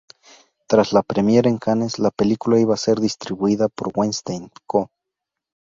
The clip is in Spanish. Tras la premiere en Cannes, la película iba a ser distribuida por Weinstein Co..